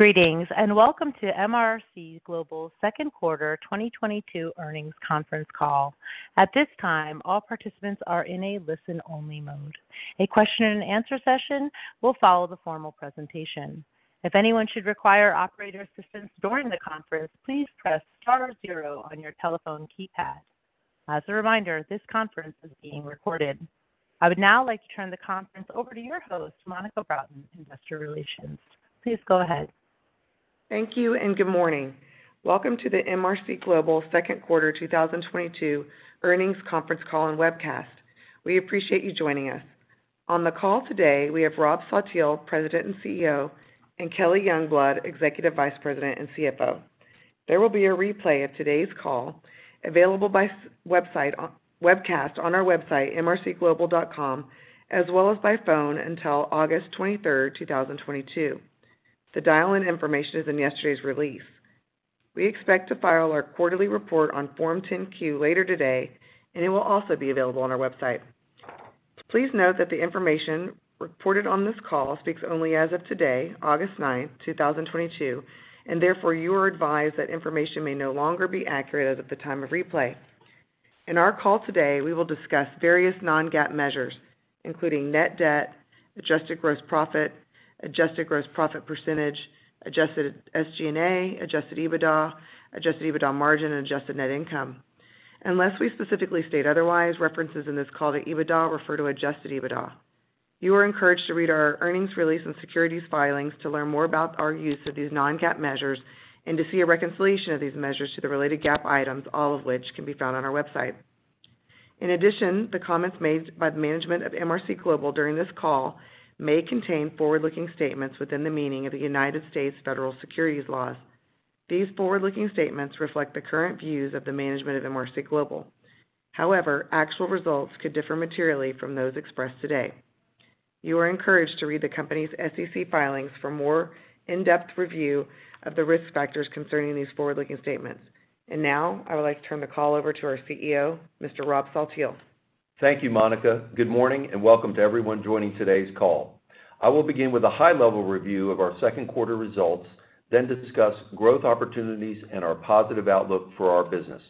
Greetings, and welcome to MRC Global's Second Quarter 2022 Earnings Conference Call. At this time, all participants are in a listen-only mode. A question-and-answer session will follow the formal presentation. If anyone should require operator assistance during the conference, please press star zero on your telephone keypad. As a reminder, this conference is being recorded. I would now like to turn the conference over to your host, Monica Broughton, Investor Relations. Please go ahead. Thank you, and good morning. Welcome to the MRC Global second quarter 2022 earnings conference call and webcast. We appreciate you joining us. On the call today, we have Rob Saltiel, President and CEO, and Kelly Youngblood, Executive Vice President and CFO. There will be a replay of today's call available by webcast on our website, mrcglobal.com, as well as by phone until August 23rd, 2022. The dial-in information is in yesterday's release. We expect to file our quarterly report on Form 10-Q later today, and it will also be available on our website. Please note that the information reported on this call speaks only as of today, August 9th, 2022, and therefore you are advised that information may no longer be accurate as of the time of replay. In our call today, we will discuss various non-GAAP measures, including net debt, adjusted gross profit, adjusted gross profit percentage, adjusted SG&A, Adjusted EBITDA, adjusted EBITDA margin, and adjusted net income. Unless we specifically state otherwise, references in this call to EBITDA refer to Adjusted EBITDA. You are encouraged to read our earnings release and securities filings to learn more about our use of these non-GAAP measures and to see a reconciliation of these measures to the related GAAP items, all of which can be found on our website. In addition, the comments made by the management of MRC Global during this call may contain forward-looking statements within the meaning of the United States federal securities laws. These forward-looking statements reflect the current views of the management of MRC Global. However, actual results could differ materially from those expressed today. You are encouraged to read the company's SEC filings for more in-depth review of the risk factors concerning these forward-looking statements. Now, I would like to turn the call over to our CEO, Mr. Rob Saltiel. Thank you, Monica. Good morning, and welcome to everyone joining today's call. I will begin with a high-level review of our second quarter results, then discuss growth opportunities and our positive outlook for our business.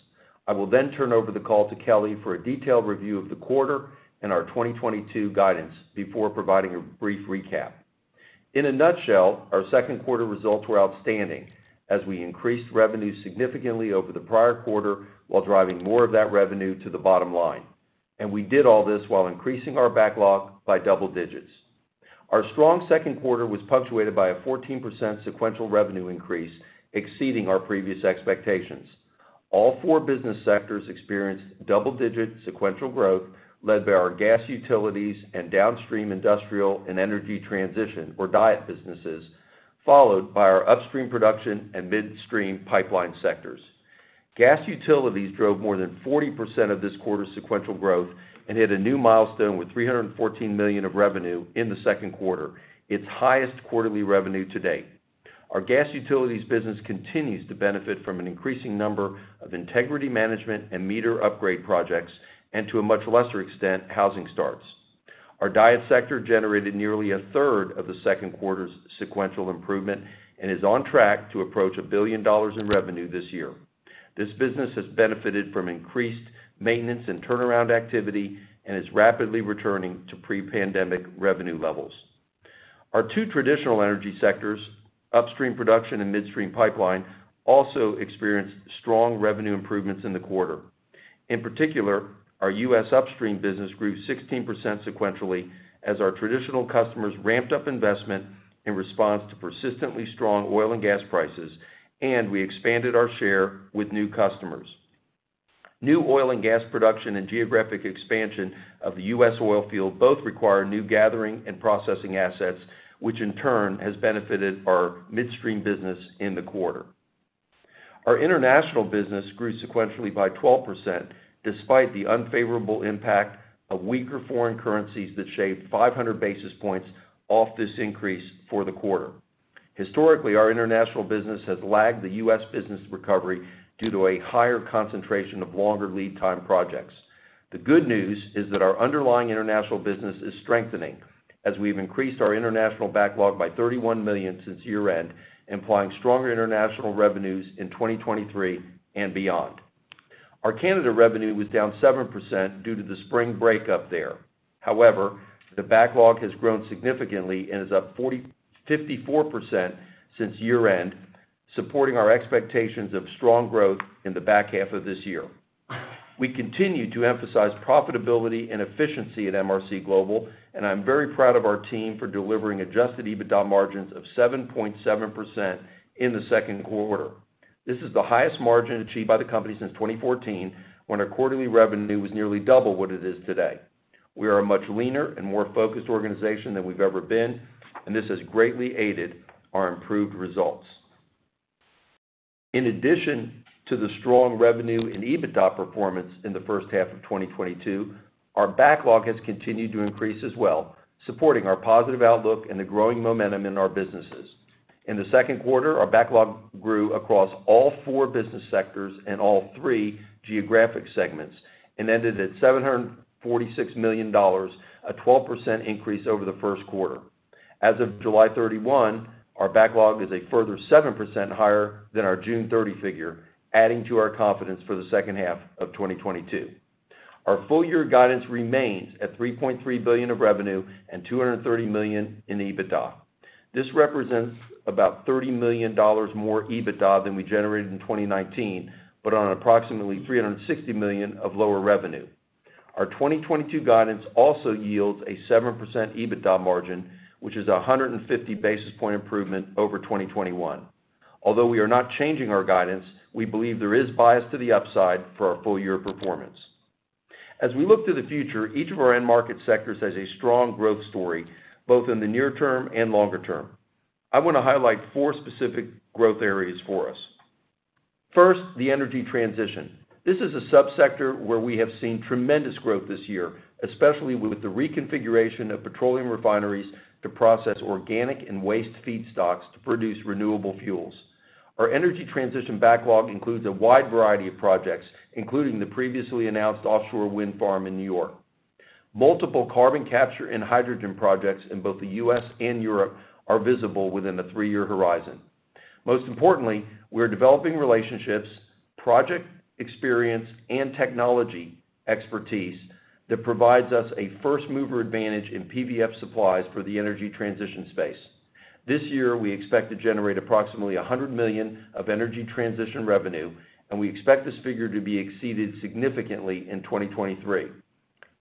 I will then turn over the call to Kelly for a detailed review of the quarter and our 2022 guidance before providing a brief recap. In a nutshell, our second quarter results were outstanding as we increased revenue significantly over the prior quarter while driving more of that revenue to the bottom line, and we did all this while increasing our backlog by double digits. Our strong second quarter was punctuated by a 14% sequential revenue increase, exceeding our previous expectations. All four business sectors experienced double-digit sequential growth led by our gas utilities and downstream industrial and energy transition, or DIET businesses, followed by our upstream production and midstream pipeline sectors. Gas utilities drove more than 40% of this quarter's sequential growth and hit a new milestone with $314 million of revenue in the second quarter, its highest quarterly revenue to date. Our gas utilities business continues to benefit from an increasing number of integrity management and meter upgrade projects and, to a much lesser extent, housing starts. Our DIET sector generated nearly a third of the second quarter's sequential improvement and is on track to approach $1 billion in revenue this year. This business has benefited from increased maintenance and turnaround activity and is rapidly returning to pre-pandemic revenue levels. Our two traditional energy sectors, upstream production and midstream pipeline, also experienced strong revenue improvements in the quarter. In particular, our U.S. upstream business grew 16% sequentially as our traditional customers ramped up investment in response to persistently strong oil and gas prices, and we expanded our share with new customers. New oil and gas production and geographic expansion of the U.S. oil field both require new gathering and processing assets, which in turn has benefited our midstream business in the quarter. Our international business grew sequentially by 12% despite the unfavorable impact of weaker foreign currencies that shaved 500 basis points off this increase for the quarter. Historically, our international business has lagged the U.S. business recovery due to a higher concentration of longer lead time projects. The good news is that our underlying international business is strengthening as we've increased our international backlog by $31 million since year-end, implying stronger international revenues in 2023 and beyond. Our Canada revenue was down 7% due to the spring breakup there. However, the backlog has grown significantly and is up 54% since year-end, supporting our expectations of strong growth in the back half of this year. We continue to emphasize profitability and efficiency at MRC Global, and I'm very proud of our team for delivering Adjusted EBITDA margins of 7.7% in the second quarter. This is the highest margin achieved by the company since 2014 when our quarterly revenue was nearly double what it is today. We are a much leaner and more focused organization than we've ever been, and this has greatly aided our improved results. In addition to the strong revenue and EBITDA performance in the first half of 2022, our backlog has continued to increase as well, supporting our positive outlook and the growing momentum in our businesses. In the second quarter, our backlog grew across all four business sectors and all three geographic segments and ended at $746 million, a 12% increase over the first quarter. As of July 31, our backlog is a further 7% higher than our June 30 figure, adding to our confidence for the second half of 2022. Our full year guidance remains at $3.3 billion of revenue and $230 million in EBITDA. This represents about $30 million more EBITDA than we generated in 2019, but on approximately $360 million of lower revenue. Our 2022 guidance also yields a 7% EBITDA margin, which is a 150 basis point improvement over 2021. Although we are not changing our guidance, we believe there is bias to the upside for our full year performance. As we look to the future, each of our end market sectors has a strong growth story, both in the near term and longer term. I wanna highlight four specific growth areas for us. First, the energy transition. This is a sub-sector where we have seen tremendous growth this year, especially with the reconfiguration of petroleum refineries to process organic and waste feedstocks to produce renewable fuels. Our energy transition backlog includes a wide variety of projects, including the previously announced offshore wind farm in New York. Multiple carbon capture and hydrogen projects in both the U.S. and Europe are visible within the three-year horizon. Most importantly, we're developing relationships, project experience, and technology expertise that provides us a first-mover advantage in PVF supplies for the energy transition space. This year, we expect to generate approximately $100 million of energy transition revenue, and we expect this figure to be exceeded significantly in 2023.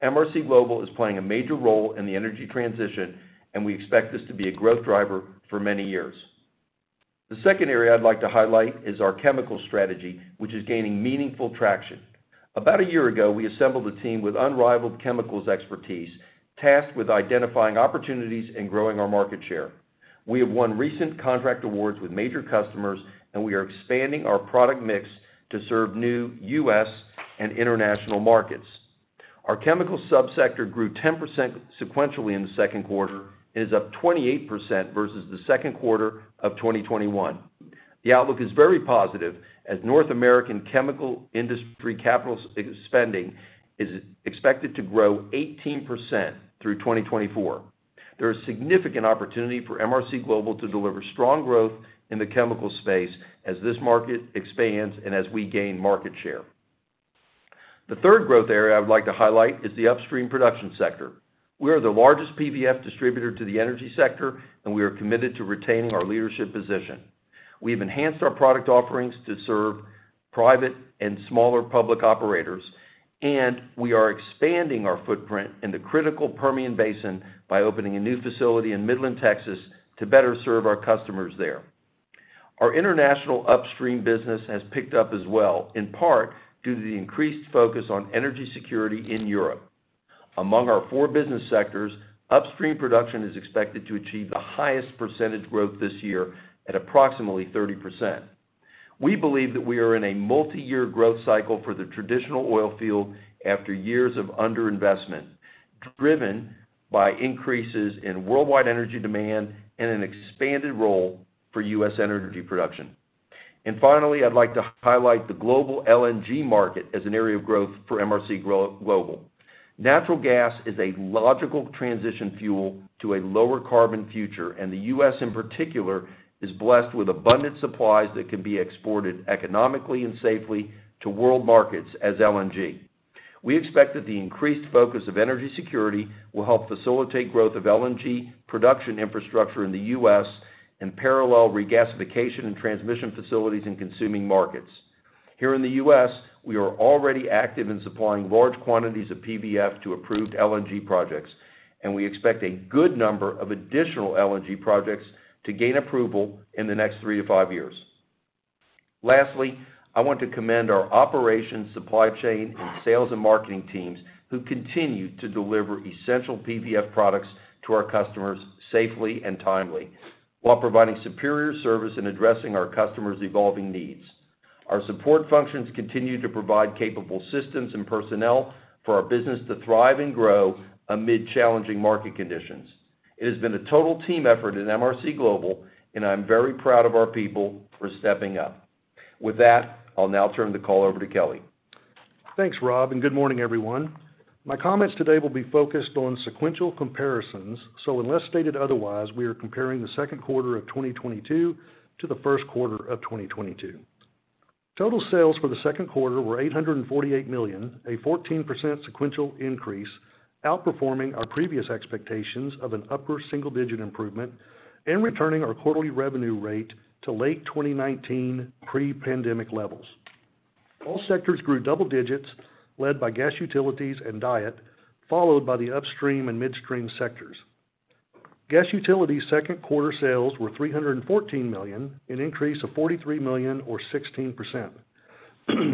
MRC Global is playing a major role in the energy transition, and we expect this to be a growth driver for many years. The second area I'd like to highlight is our chemical strategy, which is gaining meaningful traction. About a year ago, we assembled a team with unrivaled chemicals expertise, tasked with identifying opportunities and growing our market share. We have won recent contract awards with major customers, and we are expanding our product mix to serve new U.S. and international markets. Our chemical sub-sector grew 10% sequentially in the second quarter and is up 28% versus the second quarter of 2021. The outlook is very positive, as North American chemical industry capital spending is expected to grow 18% through 2024. There is significant opportunity for MRC Global to deliver strong growth in the chemical space as this market expands and as we gain market share. The third growth area I would like to highlight is the upstream production sector. We are the largest PVF distributor to the energy sector, and we are committed to retaining our leadership position. We have enhanced our product offerings to serve private and smaller public operators, and we are expanding our footprint in the critical Permian Basin by opening a new facility in Midland, Texas, to better serve our customers there. Our international upstream business has picked up as well, in part due to the increased focus on energy security in Europe. Among our four business sectors, upstream production is expected to achieve the highest percentage growth this year at approximately 30%. We believe that we are in a multiyear growth cycle for the traditional oil field after years of under-investment, driven by increases in worldwide energy demand and an expanded role for U.S. energy production. Finally, I'd like to highlight the global LNG market as an area of growth for MRC Global. Natural gas is a logical transition fuel to a lower carbon future, and the U.S. in particular is blessed with abundant supplies that can be exported economically and safely to world markets as LNG. We expect that the increased focus of energy security will help facilitate growth of LNG production infrastructure in the U.S. and parallel regasification and transmission facilities in consuming markets. Here in the US, we are already active in supplying large quantities of PVF to approved LNG projects, and we expect a good number of additional LNG projects to gain approval in the next three-five years. Lastly, I want to commend our operations, supply chain, and sales and marketing teams, who continue to deliver essential PVF products to our customers safely and timely while providing superior service in addressing our customers' evolving needs. Our support functions continue to provide capable systems and personnel for our business to thrive and grow amid challenging market conditions. It has been a total team effort at MRC Global, and I'm very proud of our people for stepping up. With that, I'll now turn the call over to Kelly. Thanks, Rob, and good morning, everyone. My comments today will be focused on sequential comparisons, so unless stated otherwise, we are comparing the second quarter of 2022 to the first quarter of 2022. Total sales for the second quarter were $848 million, a 14% sequential increase, outperforming our previous expectations of an upper single-digit improvement and returning our quarterly revenue rate to late 2019 pre-pandemic levels. All sectors grew double digits, led by gas utilities and DIET, followed by the upstream and midstream sectors. Gas utilities' second quarter sales were $314 million, an increase of $43 million or 16%.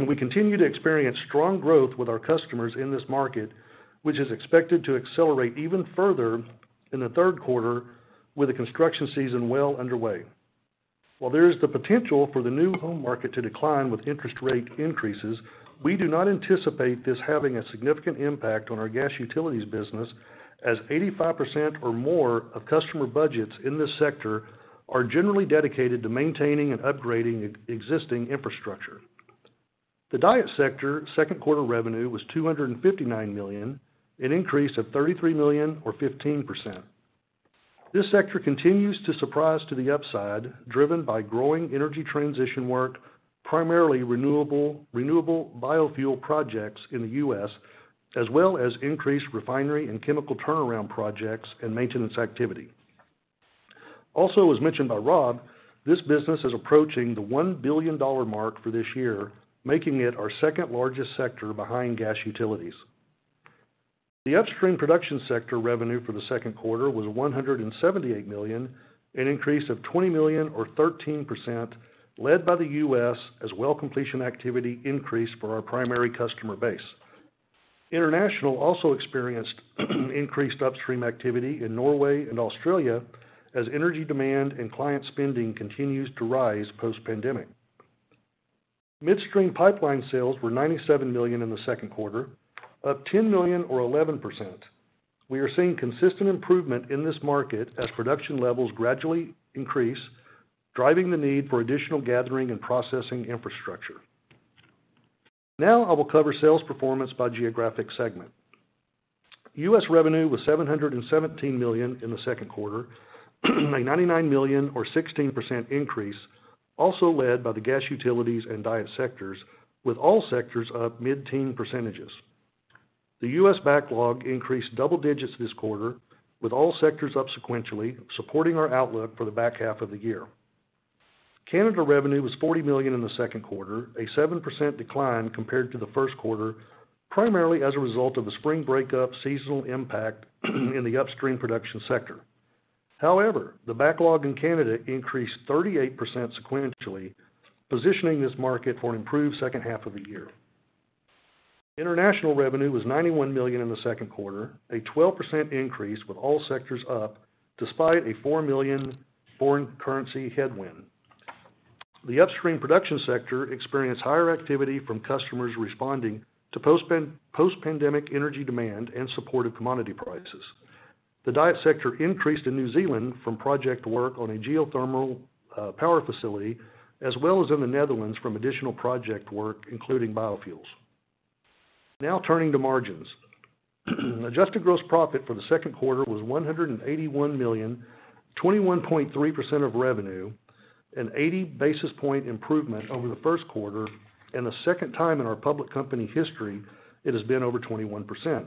We continue to experience strong growth with our customers in this market, which is expected to accelerate even further in the third quarter with the construction season well underway. While there is the potential for the new home market to decline with interest rate increases, we do not anticipate this having a significant impact on our gas utilities business, as 85% or more of customer budgets in this sector are generally dedicated to maintaining and upgrading existing infrastructure. The DIET sector second quarter revenue was $259 million, an increase of $33 million or 15%. This sector continues to surprise to the upside, driven by growing energy transition work, primarily renewable biofuel projects in the U.S., as well as increased refinery and chemical turnaround projects and maintenance activity. Also, as mentioned by Rob, this business is approaching the $1 billion mark for this year, making it our second-largest sector behind gas utilities. The upstream production sector revenue for the second quarter was $178 million, an increase of $20 million or 13% led by the U.S. as well completion activity increased for our primary customer base. International also experienced increased upstream activity in Norway and Australia as energy demand and client spending continues to rise post-pandemic. Midstream pipeline sales were $97 million in the second quarter, up $10 million or 11%. We are seeing consistent improvement in this market as production levels gradually increase, driving the need for additional gathering and processing infrastructure. Now I will cover sales performance by geographic segment. U.S. revenue was $717 million in the second quarter, a $99 million or 16% increase, also led by the gas utilities and DIET sectors, with all sectors up mid-teen percentages. The U.S. Backlog increased double digits this quarter, with all sectors up sequentially supporting our outlook for the back half of the year. Canada revenue was $40 million in the second quarter, a 7% decline compared to the first quarter, primarily as a result of the spring break up seasonal impact in the upstream production sector. However, the backlog in Canada increased 38% sequentially, positioning this market for an improved second half of the year. International revenue was $91 million in the second quarter, a 12% increase with all sectors up despite a $4 million foreign currency headwind. The upstream production sector experienced higher activity from customers responding to post-pandemic energy demand and supportive commodity prices. The DIET sector increased in New Zealand from project work on a geothermal power facility, as well as in the Netherlands from additional project work, including biofuels. Now turning to margins. Adjusted gross profit for the second quarter was $181 million, 21.3% of revenue, an 80 basis point improvement over the first quarter and the second time in our public company history, it has been over 21%.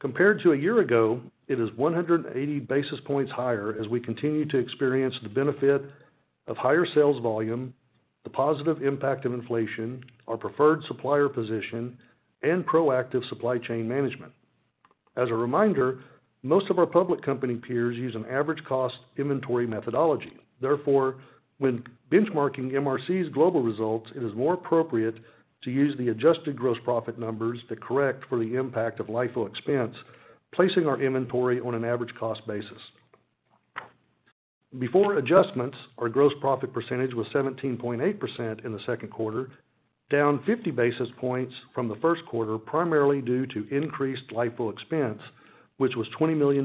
Compared to a year ago, it is 180 basis points higher as we continue to experience the benefit of higher sales volume, the positive impact of inflation, our preferred supplier position, and proactive supply chain management. As a reminder, most of our public company peers use an average cost inventory methodology. Therefore, when benchmarking MRC's global results, it is more appropriate to use the adjusted gross profit numbers to correct for the impact of LIFO expense, placing our inventory on an average cost basis. Before adjustments, our gross profit percentage was 17.8% in the second quarter, down 50 basis points from the first quarter, primarily due to increased LIFO expense, which was $20 million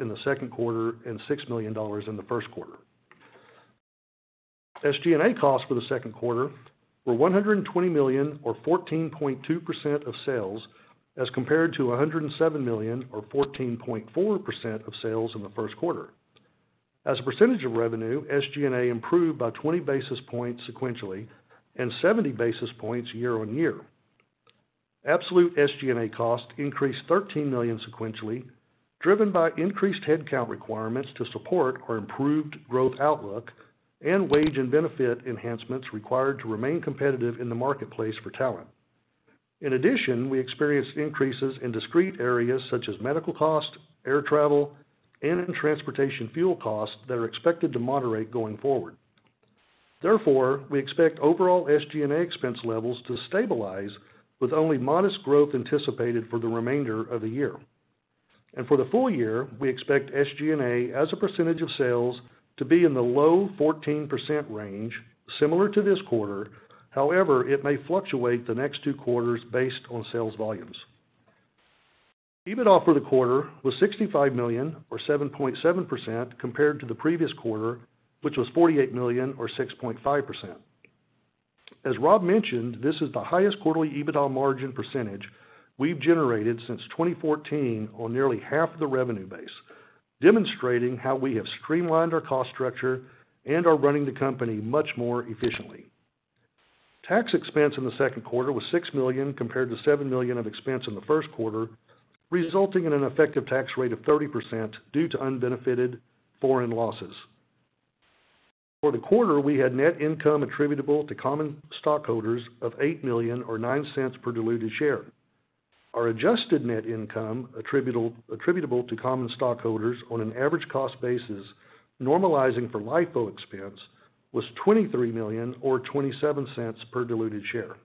in the second quarter and $6 million in the first quarter. SG&A costs for the second quarter were $120 million or 14.2% of sales, as compared to $107 million or 14.4% of sales in the first quarter. As a percentage of revenue, SG&A improved by 20 basis points sequentially and 70 basis points year-on-year. Absolute SG&A cost increased $13 million sequentially, driven by increased headcount requirements to support our improved growth outlook and wage and benefit enhancements required to remain competitive in the marketplace for talent. In addition, we experienced increases in discrete areas such as medical cost, air travel, and in transportation fuel costs that are expected to moderate going forward. Therefore, we expect overall SG&A expense levels to stabilize with only modest growth anticipated for the remainder of the year. For the full year, we expect SG&A as a percentage of sales to be in the low 14% range, similar to this quarter. However, it may fluctuate the next two quarters based on sales volumes. EBITDA for the quarter was $65 million or 7.7% compared to the previous quarter, which was $48 million or 6.5%. As Rob mentioned, this is the highest quarterly EBITDA margin percentage we've generated since 2014 on nearly half the revenue base, demonstrating how we have streamlined our cost structure and are running the company much more efficiently. Tax expense in the second quarter was $6 million compared to $7 million of expense in the first quarter, resulting in an effective tax rate of 30% due to unbenefited foreign losses. For the quarter, we had net income attributable to common stockholders of $8 million or $0.09 per diluted share. Our adjusted net income attributable to common stockholders on an average cost basis, normalizing for LIFO expense was $23 million or $0.27 per diluted share.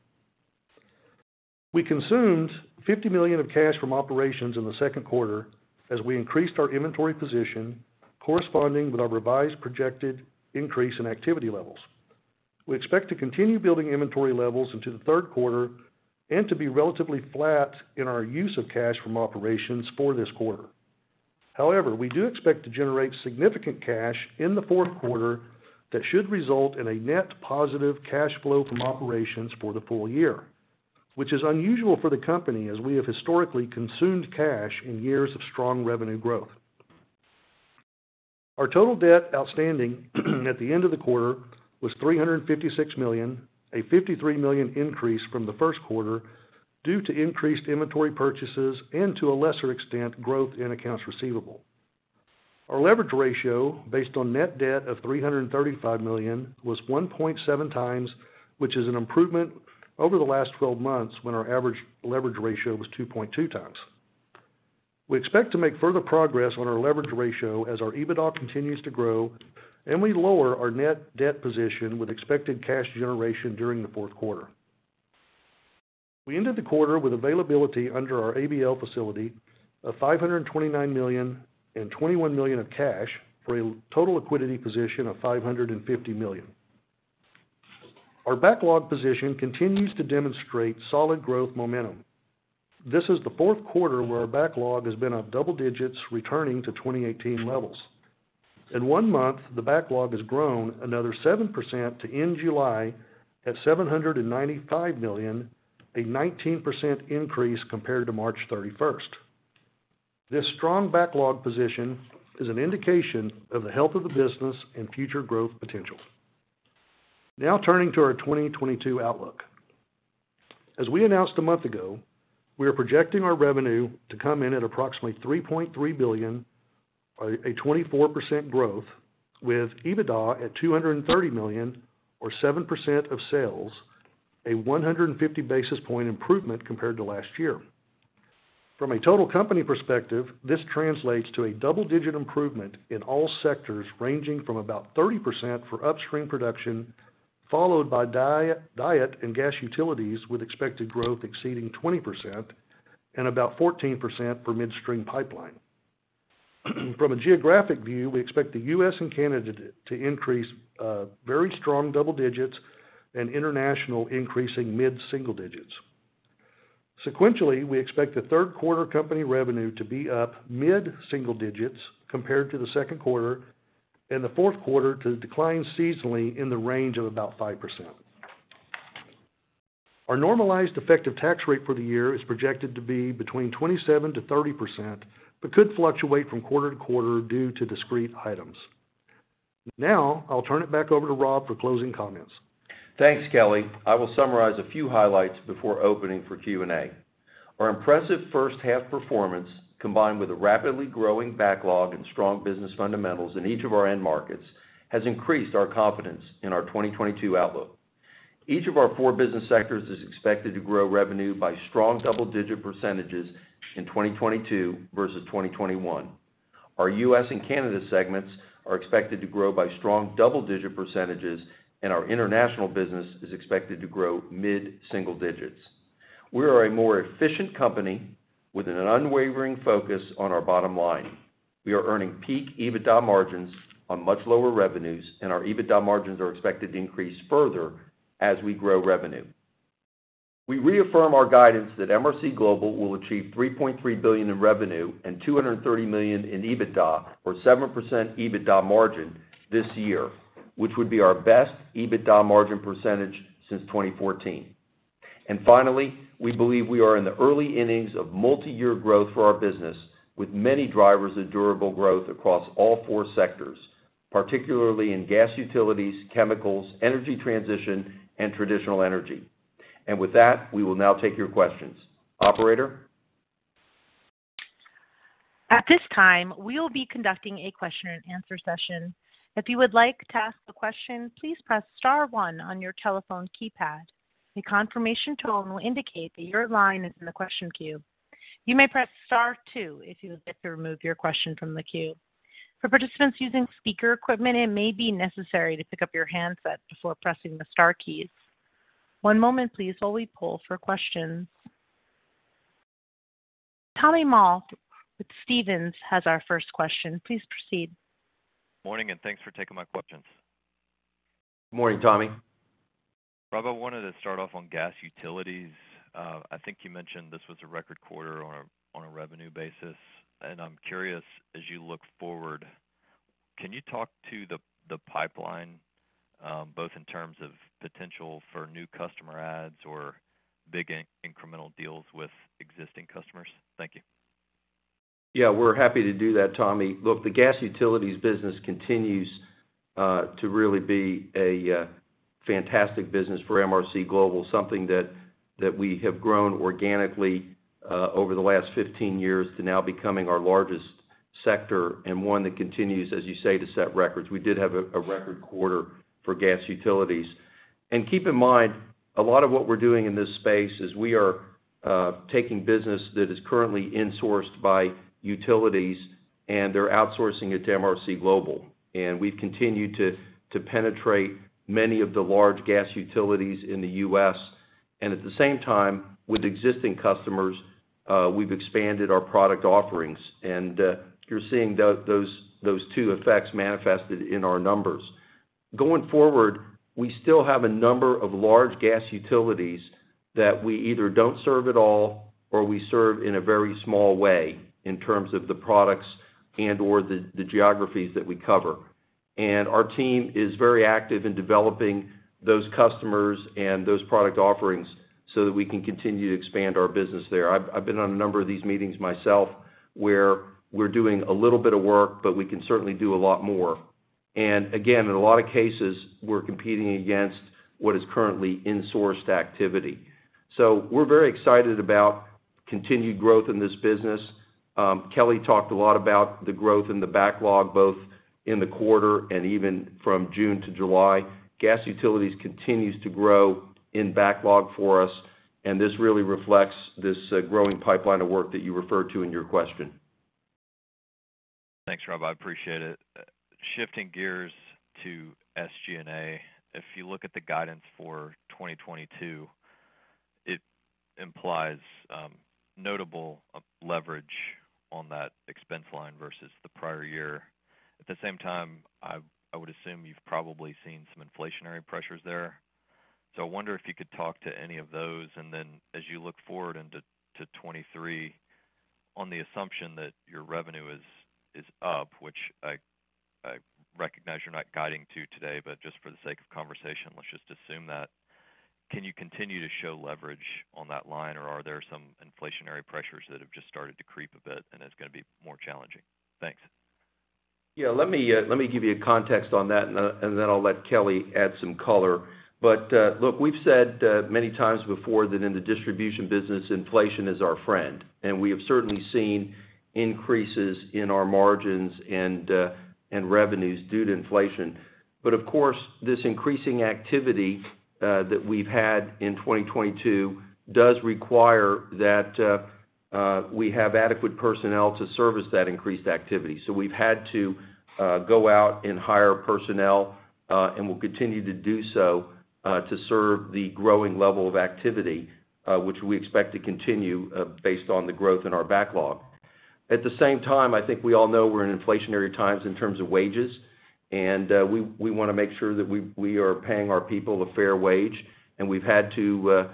We consumed $50 million of cash from operations in the second quarter as we increased our inventory position corresponding with our revised projected increase in activity levels. We expect to continue building inventory levels into the third quarter and to be relatively flat in our use of cash from operations for this quarter. However, we do expect to generate significant cash in the fourth quarter that should result in a net positive cash flow from operations for the full year, which is unusual for the company as we have historically consumed cash in years of strong revenue growth. Our total debt outstanding at the end of the quarter was $356 million, a $53 million increase from the first quarter due to increased inventory purchases and to a lesser extent, growth in accounts receivable. Our leverage ratio based on net debt of $335 million was 1.7x, which is an improvement over the last 12 months when our average leverage ratio was 2.2x. We expect to make further progress on our leverage ratio as our EBITDA continues to grow and we lower our net debt position with expected cash generation during the fourth quarter. We ended the quarter with availability under our ABL facility of $529 million and $21 million of cash for a total liquidity position of $550 million. Our backlog position continues to demonstrate solid growth momentum. This is the fourth quarter where our backlog has been in double digits returning to 2018 levels. In one month, the backlog has grown another 7% to end July at $795 million, a 19% increase compared to March 31st. This strong backlog position is an indication of the health of the business and future growth potential. Now turning to our 2022 outlook. As we announced a month ago, we are projecting our revenue to come in at approximately $3.3 billion, a 24% growth with EBITDA at $230 million or 7% of sales, a 150 basis point improvement compared to last year. From a total company perspective, this translates to a double-digit improvement in all sectors, ranging from about 30% for upstream production, followed by DIET and gas utilities with expected growth exceeding 20% and about 14% for midstream pipeline. From a geographic view, we expect the U.S. and Canada to increase very strong double digits and international increasing mid-single digits. Sequentially, we expect the third quarter company revenue to be up mid-single digits compared to the second quarter and the fourth quarter to decline seasonally in the range of about 5%. Our normalized effective tax rate for the year is projected to be between 27%-30%, but could fluctuate from quarter to quarter due to discrete items. Now, I'll turn it back over to Rob for closing comments. Thanks, Kelly. I will summarize a few highlights before opening for Q&A. Our impressive first half performance, combined with a rapidly growing backlog and strong business fundamentals in each of our end markets, has increased our confidence in our 2022 outlook. Each of our four business sectors is expected to grow revenue by strong double-digit percentages in 2022 versus 2021. Our U.S. And Canada segments are expected to grow by strong double-digit percentages, and our international business is expected to grow mid-single digits. We are a more efficient company with an unwavering focus on our bottom line. We are earning peak EBITDA margins on much lower revenues, and our EBITDA margins are expected to increase further as we grow revenue. We reaffirm our guidance that MRC Global will achieve $3.3 billion in revenue and $230 million in EBITDA, or 7% EBITDA margin this year, which would be our best EBITDA margin percentage since 2014. Finally, we believe we are in the early innings of multiyear growth for our business with many drivers of durable growth across all four sectors, particularly in gas utilities, chemicals, energy transition, and traditional energy. With that, we will now take your questions. Operator? At this time, we will be conducting a question and answer session. If you would like to ask a question, please press star one on your telephone keypad. A confirmation tone will indicate that your line is in the question queue. You may press star two if you would like to remove your question from the queue. For participants using speaker equipment, it may be necessary to pick up your handset before pressing the star keys. One moment please while we poll for questions. Tommy Moll with Stephens has our first question. Please proceed. Morning, and thanks for taking my questions. Morning, Tommy. Rob, I wanted to start off on gas utilities. I think you mentioned this was a record quarter on a revenue basis. I'm curious, as you look forward, can you talk to the pipeline, both in terms of potential for new customer adds or big incremental deals with existing customers? Thank you. Yeah, we're happy to do that, Tommy. Look, the gas utilities business continues to really be a fantastic business for MRC Global, something that we have grown organically over the last 15 years to now becoming our largest sector and one that continues, as you say, to set records. We did have a record quarter for gas utilities. Keep in mind, a lot of what we're doing in this space is we are taking business that is currently insourced by utilities, and they're outsourcing it to MRC Global. We've continued to penetrate many of the large gas utilities in the US. At the same time, with existing customers, we've expanded our product offerings. You're seeing those two effects manifested in our numbers. Going forward, we still have a number of large gas utilities that we either don't serve at all, or we serve in a very small way in terms of the products and/or the geographies that we cover. Our team is very active in developing those customers and those product offerings so that we can continue to expand our business there. I've been on a number of these meetings myself, where we're doing a little bit of work, but we can certainly do a lot more. Again, in a lot of cases, we're competing against what is currently insourced activity. We're very excited about continued growth in this business. Kelly talked a lot about the growth in the backlog, both in the quarter and even from June-July. Gas Utilities continues to grow in backlog for us, and this really reflects this, growing pipeline of work that you referred to in your question. Thanks, Rob. I appreciate it. Shifting gears to SG&A. If you look at the guidance for 2022, it implies notable leverage on that expense line versus the prior year. At the same time, I would assume you've probably seen some inflationary pressures there. I wonder if you could talk to any of those. As you look forward into 2023, on the assumption that your revenue is up, which I recognize you're not guiding to today, but just for the sake of conversation, let's just assume that. Can you continue to show leverage on that line, or are there some inflationary pressures that have just started to creep a bit and it's gonna be more challenging? Thanks. Yeah. Let me give you a context on that and then I'll let Kelly add some color. Look, we've said many times before that in the distribution business, inflation is our friend, and we have certainly seen increases in our margins and revenues due to inflation. Of course, this increasing activity that we've had in 2022 does require that we have adequate personnel to service that increased activity. We've had to go out and hire personnel and we'll continue to do so to serve the growing level of activity which we expect to continue based on the growth in our backlog. At the same time, I think we all know we're in inflationary times in terms of wages, and we wanna make sure that we are paying our people a fair wage, and we've had to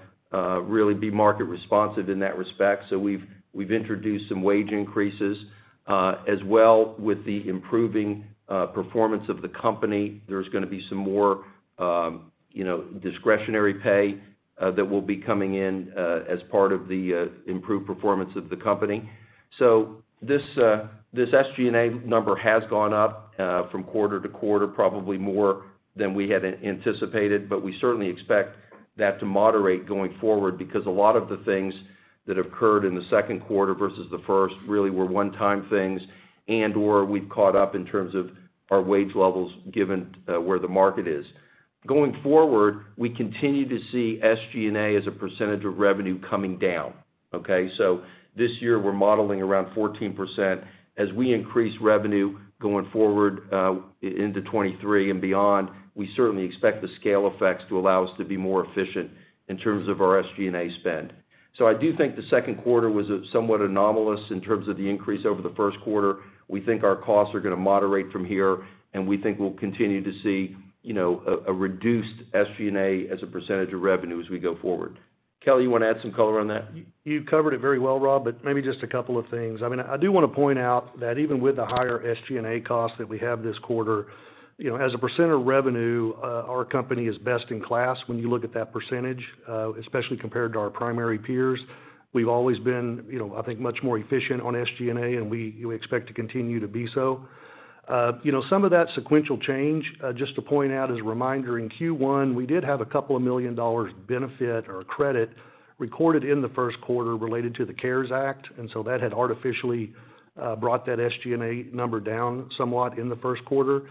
really be market responsive in that respect. We've introduced some wage increases as well with the improving performance of the company. There's gonna be some more, you know, discretionary pay that will be coming in as part of the improved performance of the company. This SG&A number has gone up from quarter to quarter, probably more than we had anticipated, but we certainly expect that to moderate going forward because a lot of the things that occurred in the second quarter versus the first really were one-time things and/or we've caught up in terms of our wage levels given where the market is. Going forward, we continue to see SG&A as a percentage of revenue coming down, okay? This year, we're modeling around 14%. As we increase revenue going forward into 2023 and beyond, we certainly expect the scale effects to allow us to be more efficient in terms of our SG&A spend. I do think the second quarter was somewhat anomalous in terms of the increase over the first quarter. We think our costs are gonna moderate from here, and we think we'll continue to see, you know, a reduced SG&A as a percentage of revenue as we go forward. Kelly, you wanna add some color on that? You've covered it very well, Rob, but maybe just a couple of things. I mean, I do wanna point out that even with the higher SG&A costs that we have this quarter, you know, as a percent of revenue, our company is best in class when you look at that percentage, especially compared to our primary peers. We've always been, you know, I think much more efficient on SG&A, and we expect to continue to be so. You know, some of that sequential change, just to point out as a reminder, in Q1, we did have a couple million dollars benefit or credit recorded in the first quarter related to the CARES Act, and so that had artificially brought that SG&A number down somewhat in the first quarter.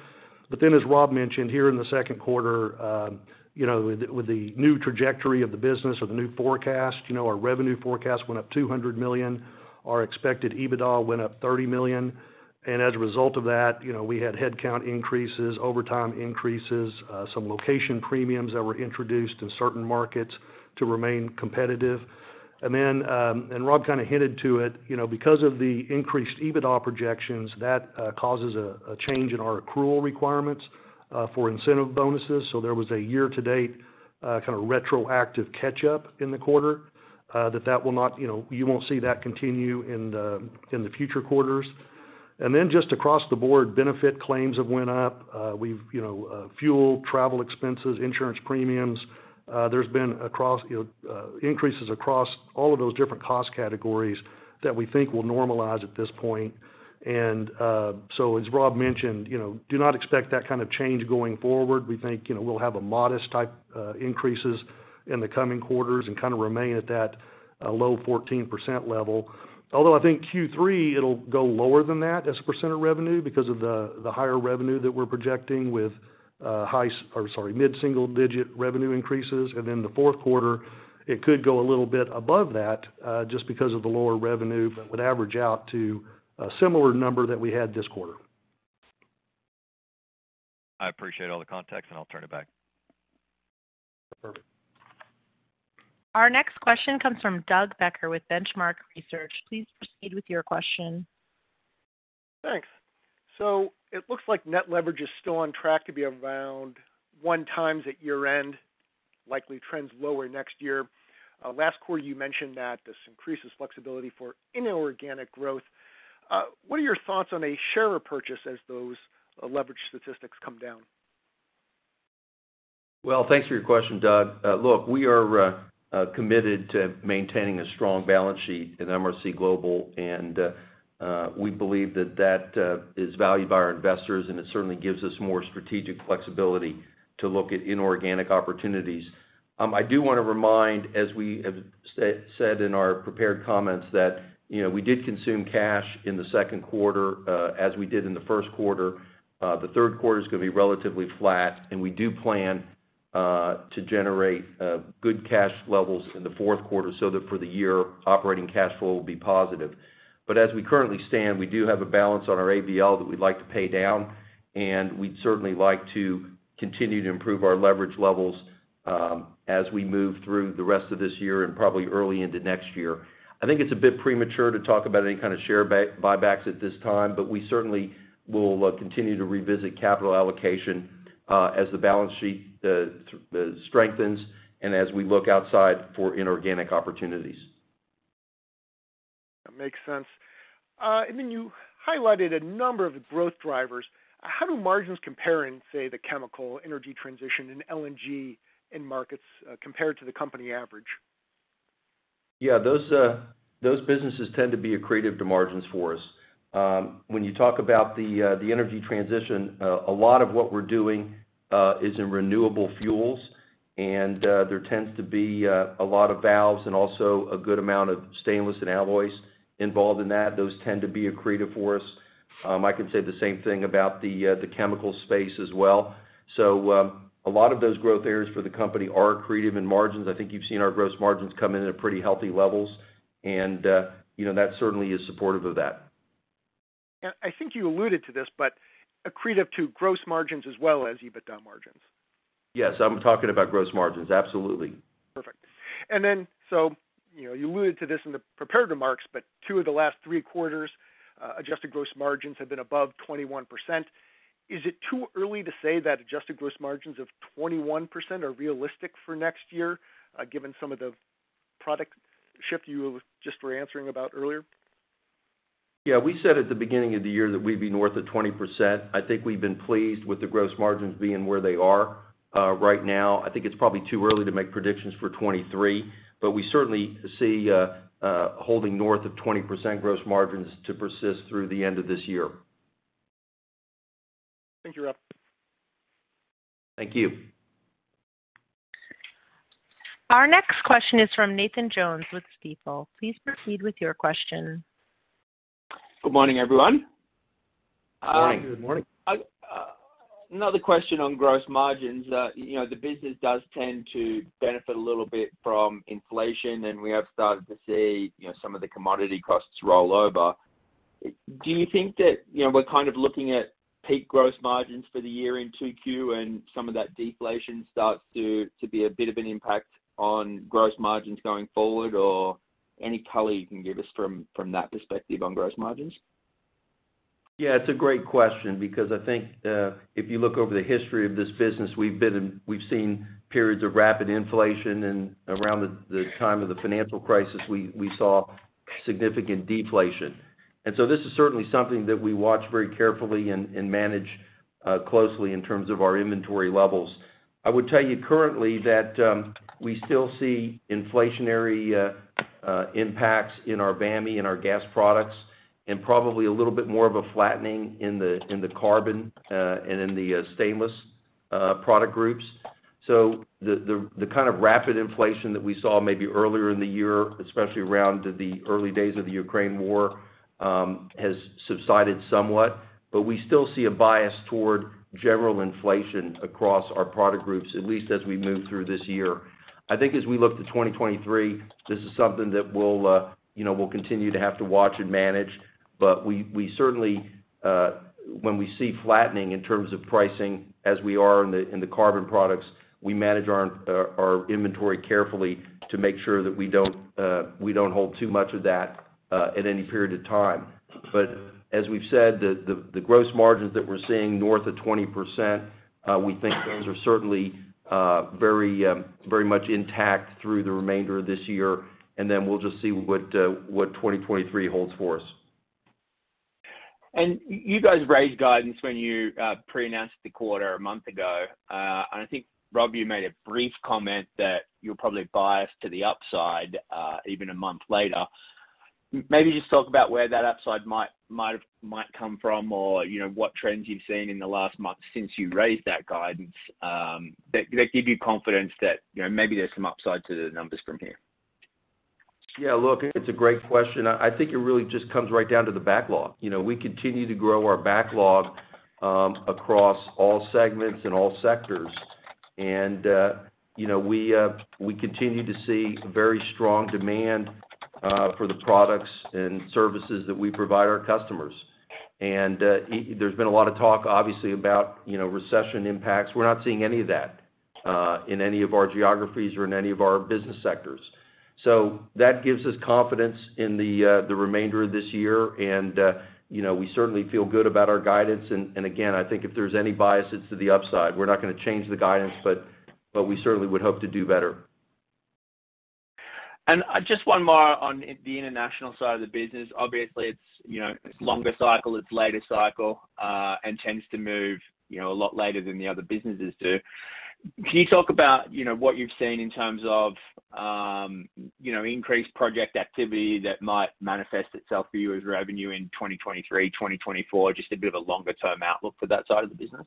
As Rob mentioned, here in the second quarter, you know, with the new trajectory of the business or the new forecast, you know, our revenue forecast went up $200 million. Our expected EBITDA went up $30 million. As a result of that, you know, we had headcount increases, overtime increases, some location premiums that were introduced in certain markets to remain competitive. And Rob kinda hinted to it, you know, because of the increased EBITDA projections, that causes a change in our accrual requirements for incentive bonuses. There was a year-to-date kinda retroactive catch-up in the quarter, that will not, you know, you won't see that continue in the future quarters. Just across the board, benefit claims have went up. We've, you know, fuel, travel expenses, insurance premiums. There's been increases across all of those different cost categories that we think will normalize at this point. As Rob mentioned, you know, do not expect that kind of change going forward. We think, you know, we'll have a modest type increases in the coming quarters and kinda remain at that low 14% level. Although I think Q3, it'll go lower than that as a percent of revenue because of the higher revenue that we're projecting with mid-single digit revenue increases. The fourth quarter, it could go a little bit above that just because of the lower revenue, but would average out to a similar number that we had this quarter. I appreciate all the context, and I'll turn it back. Perfect. Our next question comes from Doug Becker with Benchmark Research. Please proceed with your question. Thanks. It looks like net leverage is still on track to be around 1x at year-end, likely trends lower next year. Last quarter, you mentioned that this increases flexibility for inorganic growth. What are your thoughts on a share repurchase as those leverage statistics come down? Well, thanks for your question, Doug. Look, we are committed to maintaining a strong balance sheet in MRC Global, and we believe that is valued by our investors, and it certainly gives us more strategic flexibility to look at inorganic opportunities. I do wanna remind as we have said in our prepared comments that, you know, we did consume cash in the second quarter, as we did in the first quarter. The third quarter's gonna be relatively flat, and we do plan to generate good cash levels in the fourth quarter so that for the year operating cash flow will be positive. As we currently stand, we do have a balance on our ABL that we'd like to pay down, and we'd certainly like to continue to improve our leverage levels as we move through the rest of this year and probably early into next year. I think it's a bit premature to talk about any kind of share buybacks at this time, but we certainly will continue to revisit capital allocation as the balance sheet strengthens and as we look outside for inorganic opportunities. That makes sense. You highlighted a number of growth drivers. How do margins compare in, say, the chemical, energy transition, and LNG markets, compared to the company average? Yeah, those businesses tend to be accretive to margins for us. When you talk about the energy transition, a lot of what we're doing is in renewable fuels, and there tends to be a lot of valves and also a good amount of stainless and alloys involved in that. Those tend to be accretive for us. I can say the same thing about the chemical space as well. A lot of those growth areas for the company are accretive in margins. I think you've seen our gross margins come in at pretty healthy levels and, you know, that certainly is supportive of that. Yeah. I think you alluded to this, but accretive to gross margins as well as EBITDA margins? Yes, I'm talking about gross margins. Absolutely. Perfect. So you know, you alluded to this in the prepared remarks, but two of the last three quarters, adjusted gross margins have been above 21%. Is it too early to say that adjusted gross margins of 21% are realistic for next year, given some of the product shift you just were answering about earlier? Yeah. We said at the beginning of the year that we'd be north of 20%. I think we've been pleased with the gross margins being where they are right now. I think it's probably too early to make predictions for 2023, but we certainly see holding north of 20% gross margins to persist through the end of this year. Thank you, Rob. Thank you. Our next question is from Nathan Jones with Stifel. Please proceed with your question. Good morning, everyone. Good morning. Another question on gross margins. You know, the business does tend to benefit a little bit from inflation, and we have started to see, you know, some of the commodity costs roll over. Do you think that, you know, we're kind of looking at peak gross margins for the year in 2Q and some of that deflation starts to be a bit of an impact on gross margins going forward, or any color you can give us from that perspective on gross margins? Yeah, it's a great question because I think, if you look over the history of this business, we've seen periods of rapid inflation and around the time of the financial crisis, we saw significant deflation. This is certainly something that we watch very carefully and manage closely in terms of our inventory levels. I would tell you currently that we still see inflationary impacts in our VAMI and our gas products, and probably a little bit more of a flattening in the carbon and in the stainless product groups. The kind of rapid inflation that we saw maybe earlier in the year, especially around the early days of the Ukraine war, has subsided somewhat. We still see a bias toward general inflation across our product groups, at least as we move through this year. I think as we look to 2023, this is something that we'll, you know, we'll continue to have to watch and manage. We certainly, when we see flattening in terms of pricing as we are in the carbon products, we manage our inventory carefully to make sure that we don't hold too much of that at any period of time. As we've said, the gross margins that we're seeing north of 20%, we think those are certainly very much intact through the remainder of this year, and then we'll just see what 2023 holds for us. You guys raised guidance when you pre-announced the quarter a month ago. I think, Rob, you made a brief comment that you're probably biased to the upside, even a month later. Maybe just talk about where that upside might come from or, you know, what trends you've seen in the last month since you raised that guidance, that give you confidence that, you know, maybe there's some upside to the numbers from here. Yeah. Look, it's a great question. I think it really just comes right down to the backlog. You know, we continue to grow our backlog across all segments and all sectors. You know, we continue to see very strong demand for the products and services that we provide our customers. There's been a lot of talk, obviously, about you know, recession impacts. We're not seeing any of that in any of our geographies or in any of our business sectors. That gives us confidence in the remainder of this year. You know, we certainly feel good about our guidance. Again, I think if there's any biases to the upside, we're not gonna change the guidance, but we certainly would hope to do better. Just one more on the international side of the business. Obviously, it's, you know, it's longer cycle, it's later cycle, and tends to move, you know, a lot later than the other businesses do. Can you talk about, you know, what you've seen in terms of, you know, increased project activity that might manifest itself for you as revenue in 2023, 2024, just a bit of a longer term outlook for that side of the business?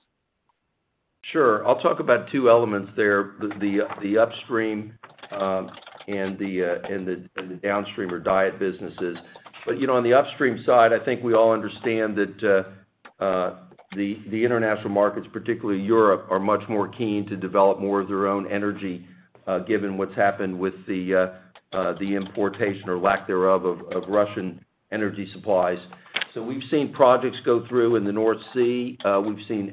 Sure. I'll talk about two elements there. The upstream and the downstream or DIET businesses. You know, on the upstream side, I think we all understand that the international markets, particularly Europe, are much more keen to develop more of their own energy, given what's happened with the importation or lack thereof of Russian energy supplies. We've seen projects go through in the North Sea. We've seen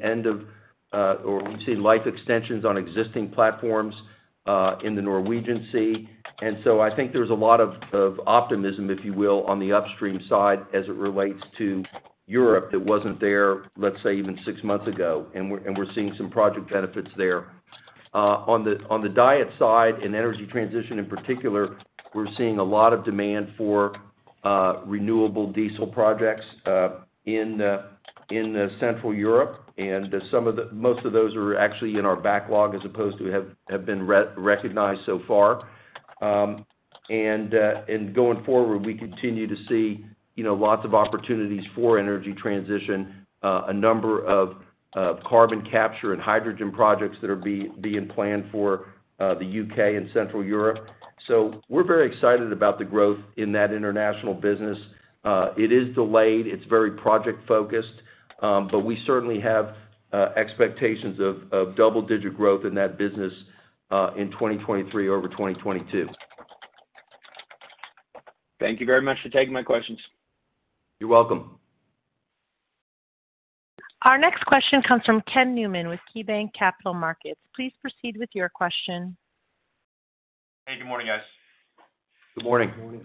life extensions on existing platforms in the Norwegian Sea. I think there's a lot of optimism, if you will, on the upstream side as it relates to Europe that wasn't there, let's say, even six months ago, and we're seeing some project benefits there. On the DIET side, in energy transition in particular, we're seeing a lot of demand for renewable diesel projects in Central Europe. Most of those are actually in our backlog as opposed to having been recognized so far. Going forward, we continue to see, you know, lots of opportunities for energy transition, a number of carbon capture and hydrogen projects that are being planned for the U.K. and Central Europe. We're very excited about the growth in that international business. It is delayed, it's very project-focused, but we certainly have expectations of double-digit growth in that business in 2023 over 2022. Thank you very much for taking my questions. You're welcome. Our next question comes from Ken Newman with KeyBanc Capital Markets. Please proceed with your question. Hey, good morning, guys. Good morning. Good morning.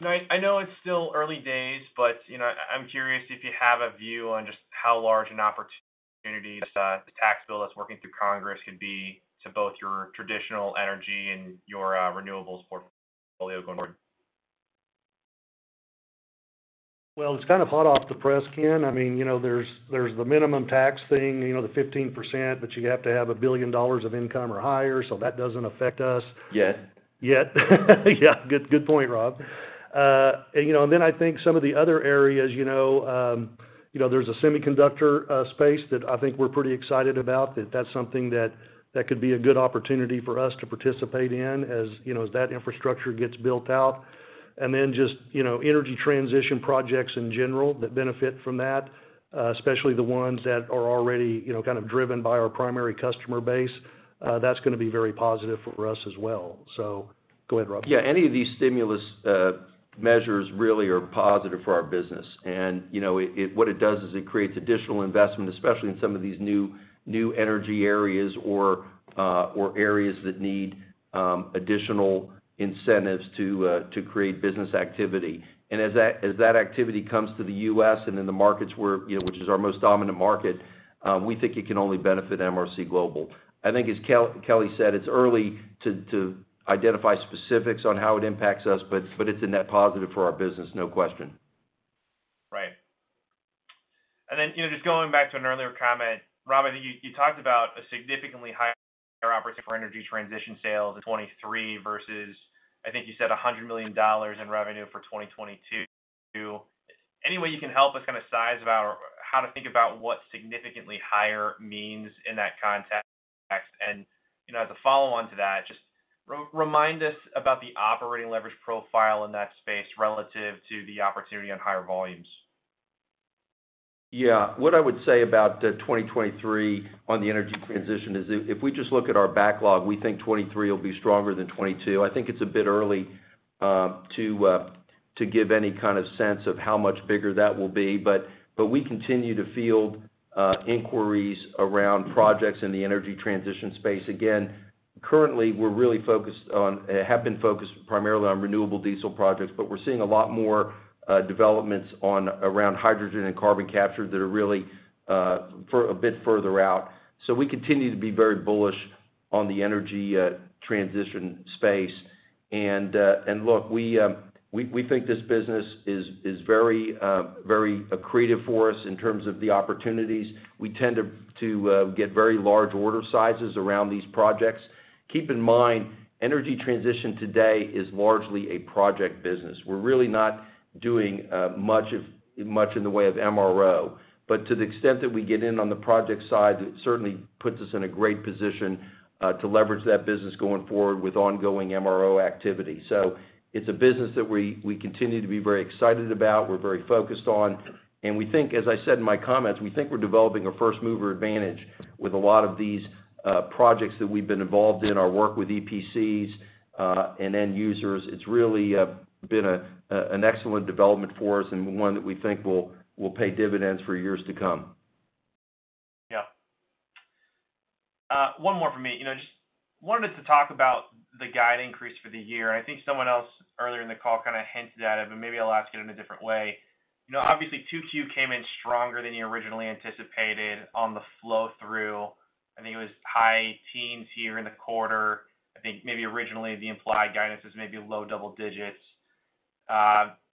You know, I know it's still early days, but, you know, I'm curious if you have a view on just how large an opportunity the tax bill that's working through Congress could be to both your traditional energy and your renewables portfolio going forward? Well, it's kind of hot off the press, Ken. I mean, you know, there's the minimum tax thing, you know, the 15%, but you have to have a $1 billion of income or higher, so that doesn't affect us. Yet. Yeah, good point, Rob. You know, and then I think some of the other areas, you know, you know, there's a semiconductor space that I think we're pretty excited about. That's something that could be a good opportunity for us to participate in as you know, as that infrastructure gets built out. Just, you know, energy transition projects in general that benefit from that, especially the ones that are already, you know, kind of driven by our primary customer base. That's gonna be very positive for us as well. Go ahead, Rob. Yeah, any of these stimulus measures really are positive for our business. You know, what it does is it creates additional investment, especially in some of these new energy areas or areas that need additional incentives to create business activity. As that activity comes to the U.S. and in the markets where, you know, which is our most dominant market, we think it can only benefit MRC Global. I think as Kelly said, it's early to identify specifics on how it impacts us, but it's a net positive for our business, no question. Right. You know, just going back to an earlier comment, Rob, I think you talked about a significantly higher operating for energy transition sales in 2023 versus, I think you said, $100 million in revenue for 2022. Any way you can help us kinda size about how to think about what significantly higher means in that context? You know, as a follow-on to that, just remind us about the operating leverage profile in that space relative to the opportunity on higher volumes. Yeah. What I would say about 2023 on the energy transition is if we just look at our backlog, we think 2023 will be stronger than 2022. I think it's a bit early to give any kind of sense of how much bigger that will be, but we continue to field inquiries around projects in the energy transition space. Again, currently, we're really have been focused primarily on renewable diesel projects, but we're seeing a lot more developments around hydrogen and carbon capture that are really a bit further out. We continue to be very bullish on the energy transition space. Look, we think this business is very accretive for us in terms of the opportunities. We tend to get very large order sizes around these projects. Keep in mind, energy transition today is largely a project business. We're really not doing much in the way of MRO. To the extent that we get in on the project side, it certainly puts us in a great position to leverage that business going forward with ongoing MRO activity. It's a business that we continue to be very excited about, we're very focused on. We think, as I said in my comments, we think we're developing a first-mover advantage with a lot of these projects that we've been involved in, our work with EPCs and end users. It's really been an excellent development for us and one that we think will pay dividends for years to come. Yeah. One more for me. You know, just wanted to talk about the guide increase for the year. I think someone else earlier in the call kinda hinted at it, but maybe I'll ask it in a different way. You know, obviously 2Q came in stronger than you originally anticipated on the flow through. I think it was high teens here in the quarter. I think maybe originally the implied guidance was maybe low double digits.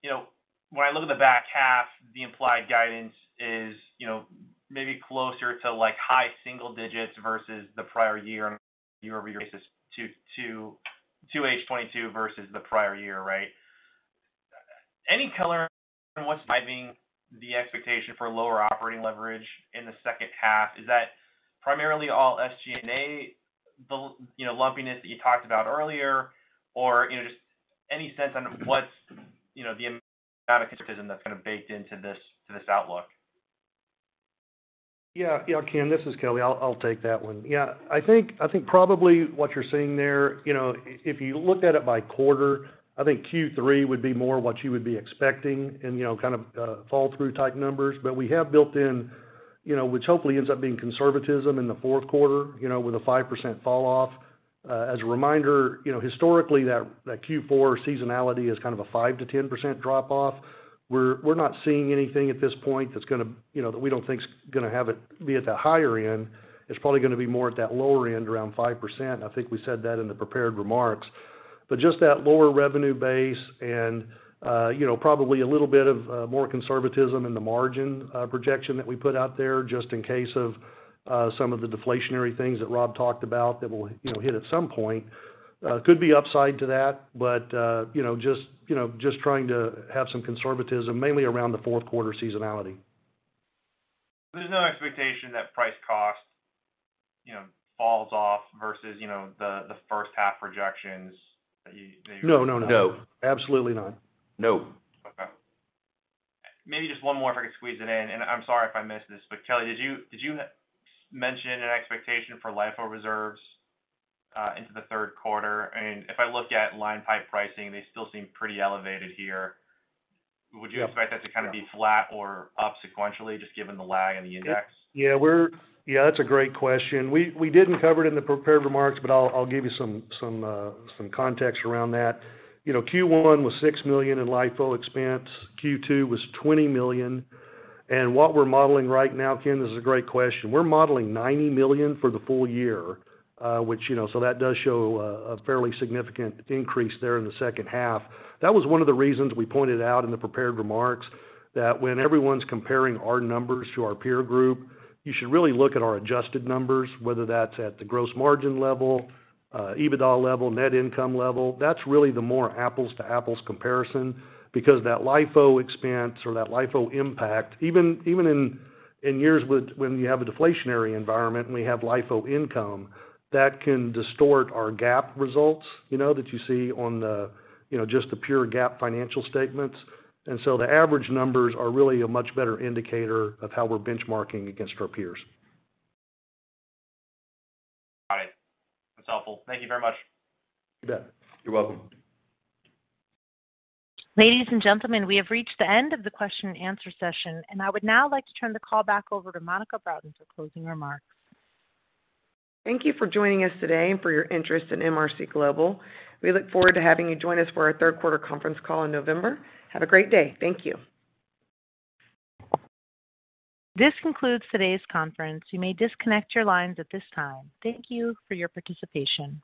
You know, when I look at the back half, the implied guidance is, you know, maybe closer to like high single digits versus the prior year on a year-over-year basis to 2H 2022 versus the prior year, right? Any color on what's driving the expectation for lower operating leverage in the second half? Is that primarily all SG&A, the, you know, lumpiness that you talked about earlier, or, you know, just any sense on what's, you know, that's kind of baked into this to this outlook? Yeah. Yeah, Ken, this is Kelly. I'll take that one. Yeah. I think probably what you're seeing there, you know, if you looked at it by quarter, I think Q3 would be more what you would be expecting and, you know, kind of fall through type numbers. But we have built in, you know, which hopefully ends up being conservatism in the fourth quarter, you know, with a 5% falloff. As a reminder, you know, historically that Q4 seasonality is kind of a 5%-10% drop-off. We're not seeing anything at this point that's gonna, you know, that we don't think's gonna have it be at the higher end. It's probably gonna be more at that lower end around 5%. I think we said that in the prepared remarks. But just that lower revenue base and, you know, probably a little bit of, more conservatism in the margin, projection that we put out there just in case of, some of the deflationary things that Rob talked about that will, you know, hit at some point. Could be upside to that, but, you know, just, you know, just trying to have some conservatism mainly around the fourth quarter seasonality. There's no expectation that price cost, you know, falls off versus, you know, the first half projections that you- No, no. No. Absolutely not. No. Okay. Maybe just one more if I could squeeze it in, and I'm sorry if I missed this. Kelly, did you mention an expectation for LIFO reserves into the third quarter? And if I look at line pipe pricing, they still seem pretty elevated here. Yeah. Would you expect that to kind of be flat or up sequentially just given the lag in the index? Yeah, that's a great question. We didn't cover it in the prepared remarks, but I'll give you some context around that. You know, Q1 was $6 million in LIFO expense. Q2 was $20 million. What we're modeling right now, Ken, this is a great question. We're modeling $90 million for the full year, which, you know, so that does show a fairly significant increase there in the second half. That was one of the reasons we pointed out in the prepared remarks that when everyone's comparing our numbers to our peer group, you should really look at our adjusted numbers, whether that's at the gross margin level, EBITDA level, net income level. That's really the more apples to apples comparison because that LIFO expense or that LIFO impact, even in years when you have a deflationary environment and we have LIFO income, that can distort our GAAP results, you know, that you see on the, you know, just the pure GAAP financial statements. The average numbers are really a much better indicator of how we're benchmarking against our peers. Got it. That's helpful. Thank you very much. You bet. You're welcome. Ladies and gentlemen, we have reached the end of the question and answer session, and I would now like to turn the call back over to Monica Broughton for closing remarks. Thank you for joining us today and for your interest in MRC Global. We look forward to having you join us for our third quarter conference call in November. Have a great day. Thank you. This concludes today's conference. You may disconnect your lines at this time. Thank you for your participation.